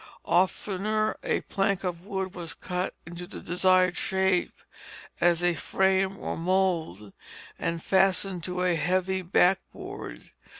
Oftener a plank of wood was cut into the desired shape as a frame or mould, and fastened to a heavy backboard.